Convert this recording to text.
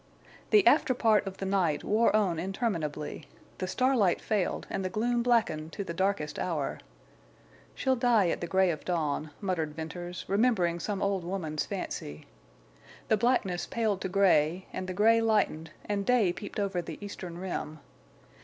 The after part of the night wore on interminably. The starlight failed and the gloom blackened to the darkest hour. "She'll die at the gray of dawn," muttered Venters, remembering some old woman's fancy. The blackness paled to gray, and the gray lightened and day peeped over the eastern rim.